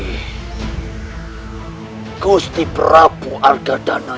agusti prabu artadhana